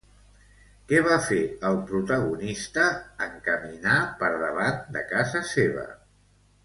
Què va fer el protagonista en caminar per davant de casa seva?